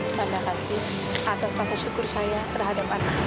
terima kasih atas rasa syukur saya terhadap anak